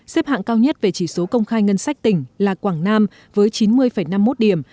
xếp hạng cao nhất về chỉ số công khai ngân sách tỉnh là quảng nam với chín mươi năm mươi một điểm